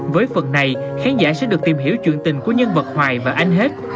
với phần này khán giả sẽ được tìm hiểu chuyện tình của nhân vật hoài và anh hết